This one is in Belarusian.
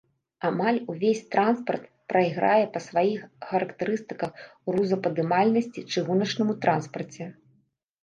Амаль увесь транспарт прайграе па сваіх характарыстыках грузападымальнасці чыгуначнаму транспарце.